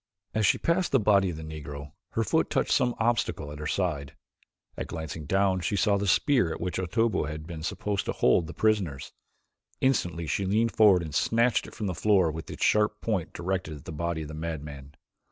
As she passed the body of the Negro, her foot touched some obstacle at her side, and glancing down she saw the spear with which Otobu had been supposed to hold the prisoners. Instantly she leaned forward and snatched it from the floor with its sharp point directed at the body of the madman.